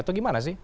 atau gimana sih